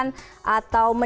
ini untuk berbagi informasi